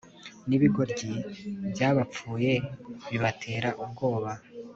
Nibigoryi byabapfuye bibatera ubwoba